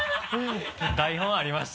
台本ありました？